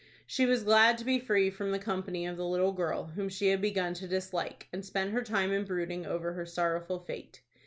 She was glad to be free from the company of the little girl whom she had begun to dislike, and spent her time in brooding over her sorrowful fate.